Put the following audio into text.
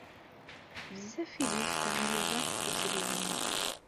Bezzaf i d-yefka Yuba d tuttriwin.